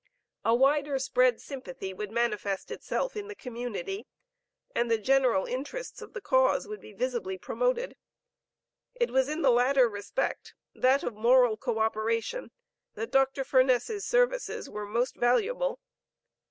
A wider spread sympathy would manifest itself in the community, and the general interests of the cause be visibly promoted. It was in the latter respect, that of moral co operation, that Dr. Furness's services were most valuable.